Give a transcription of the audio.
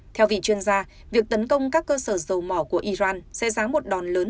theo vị chuyên gia việc tấn công các cơ sở dầu mỏ của iran sẽ ráng một đòn lớn